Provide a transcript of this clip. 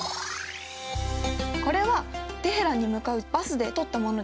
これはテヘランに向かうバスで撮ったものです。